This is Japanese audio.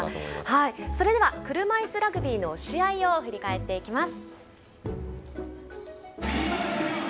それでは車いすラグビーの試合を振り返っていきます。